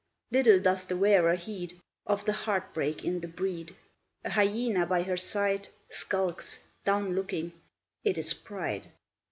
Little doth the wearer heed Of the heart break in the brede; A hyena by her side Skulks, down looking, it is Pride.